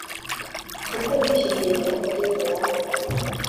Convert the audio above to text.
kuko yishe isezerano ry’uhoraho